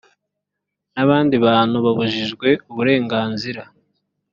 n abandi bantu babujijwe uburenganzira